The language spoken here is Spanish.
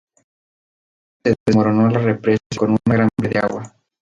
La explosión resultante desmoronó la represa con una gran vía de agua.